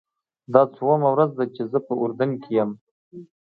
دا څوومه ورځ ده چې زه په اردن کې یم.